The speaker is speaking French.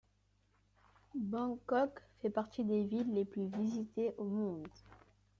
Bangkok fait partie des villes les plus visitées au monde.